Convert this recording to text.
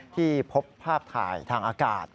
ที่พบภาพถ่ายทางอากาศ